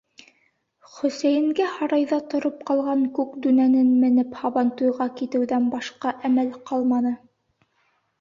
Хөсәйенгә һарайҙа тороп ҡалған күк дүнәнен менеп һабантуйға китеүҙән башҡа әмәл ҡалманы...